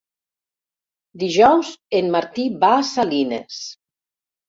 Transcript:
Dijous en Martí va a Salines.